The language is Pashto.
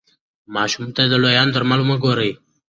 ماشوم ته د لویانو درمل مه ورکوئ.